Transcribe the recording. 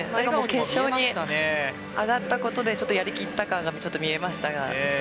決勝に上がったことでやり切った感が見えましたが。